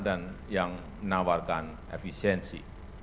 yang menawarkan efisiensi